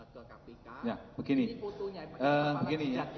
ini kemarin jidatnya ini pak